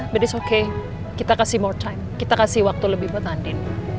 but it's okay kita kasih more time kita kasih waktu lebih buat andin